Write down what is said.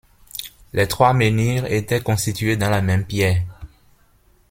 Les trois menhirs étaient constitués dans la même pierre.